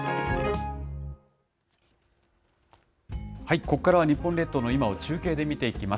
ここからは日本列島の今を中継で見ていきます。